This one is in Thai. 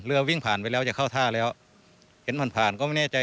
วิ่งผ่านไปแล้วจะเข้าท่าแล้วเห็นผ่านผ่านก็ไม่แน่ใจ